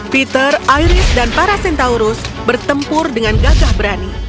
peter iris dan para centaurus bertempur dengan gagah berani